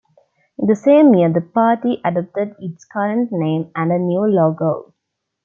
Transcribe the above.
In the same year, the party adopted its current name and a new logo.